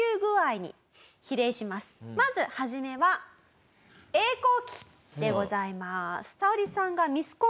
まず初めは栄光期でございます。